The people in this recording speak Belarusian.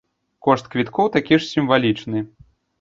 Кошт квіткоў такі ж сімвалічны.